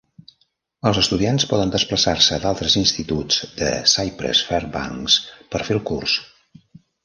Els estudiants poden desplaçar-se d'altres instituts de Cypress-Fairbanks per fer el curs.